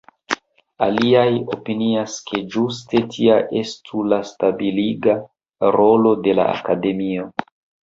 Aliaj opinias, ke ĝuste tia estu la stabiliga rolo de la Akademio.